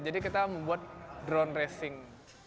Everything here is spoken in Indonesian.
jadi kita membuat drone racing